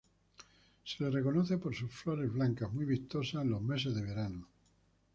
Se la reconoce por sus flores blancas muy vistosas en los meses de verano.